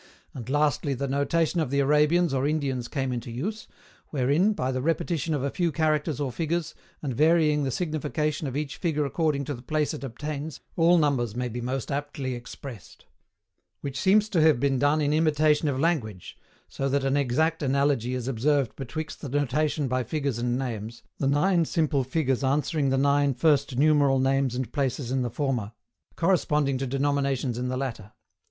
And, lastly, the notation of the Arabians or Indians came into use, wherein, by the repetition of a few characters or figures, and varying the signification of each figure according to the place it obtains, all numbers may be most aptly expressed; which seems to have been done in imitation of language, so that an exact analogy is observed betwixt the notation by figures and names, the nine simple figures answering the nine first numeral names and places in the former, corresponding to denominations in the latter.